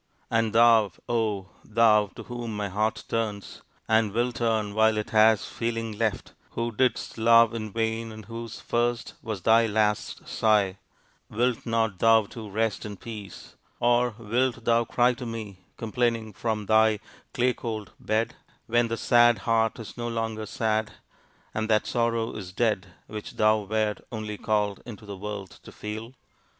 And thou, oh! thou, to whom my heart turns, and will turn while it has feeling left, who didst love in vain, and whose first was thy last sigh, wilt not thou too rest in peace (or wilt thou cry to me complaining from thy clay cold bed) when that sad heart is no longer sad, and that sorrow is dead which thou wert only called into the world to feel!